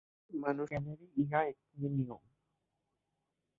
মানুষের জ্ঞানের ইহা একটি নিয়ম।